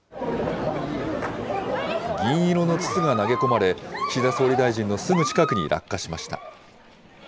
銀色の筒が投げ込まれ、岸田総理大臣のすぐ近くに落下しました。